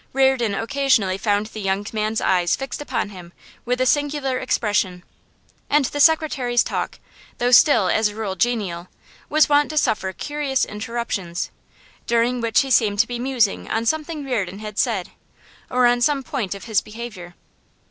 Reardon occasionally found the young man's eye fixed upon him with a singular expression, and the secretary's talk, though still as a rule genial, was wont to suffer curious interruptions, during which he seemed to be musing on something Reardon had said, or on some point of his behaviour.